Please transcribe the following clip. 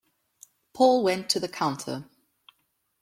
Paul went to the counter.